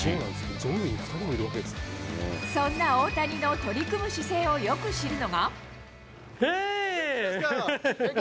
そんな大谷の取り組む姿勢をよく知るのが。